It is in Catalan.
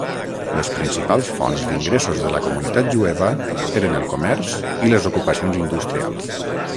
Les principals fonts d'ingressos de la comunitat jueva eren el comerç i les ocupacions industrials.